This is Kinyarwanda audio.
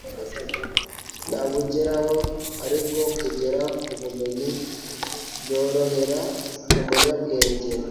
ntabugeraho, ariko kugera ku bumenyi, byorohera umunyabwenge